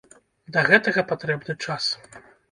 Для гэтага патрэбны час.